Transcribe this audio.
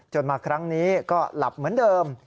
มาครั้งนี้ก็หลับเหมือนเดิม